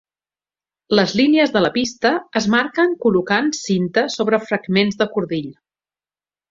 Les línies de la pista es marquen col·locant cinta sobre fragments de cordill.